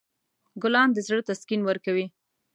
ګلان د زړه تسکین ورکوي.